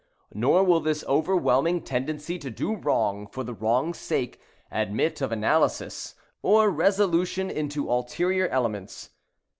Nor will this overwhelming tendency to do wrong for the wrong's sake, admit of analysis, or resolution into ulterior elements.